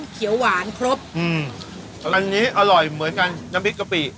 เขียวหวานครบอืมอันนี้อร่อยเหมือนกันน้ำพริกกะปิ